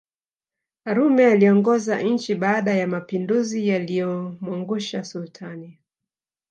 Karume aliongoza nchi baada ya mapinduzi yaliyomwangusha Sultani